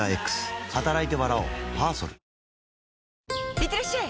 いってらっしゃい！